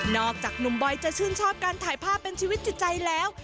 อกจากหนุ่มบอยจะชื่นชอบการถ่ายภาพเป็นชีวิตจิตใจแล้ว